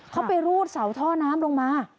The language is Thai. เขาไปรูดเสาท่อน้ำลงมา